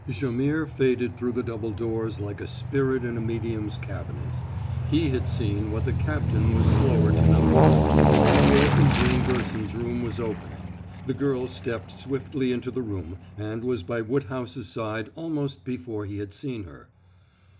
Jaimihr faded through the double doors like a spirit in a medium's cabinet. He had seen what the captain was slower to notice. The door from Jane Gerson's room was opening. The girl stepped swiftly into the room, and was by Woodhouse's side almost before he had seen her.